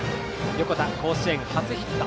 横田、甲子園初ヒット。